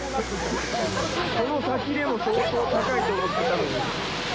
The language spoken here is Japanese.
この滝でも相当高いと思ってたのに。